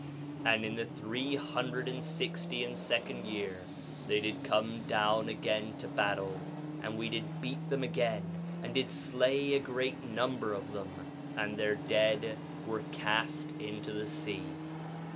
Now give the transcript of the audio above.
3:8 And in the three hundred and sixty and second year they did come down again to battle. And we did beat them again, and did slay a great number of them, and their dead were cast into the sea.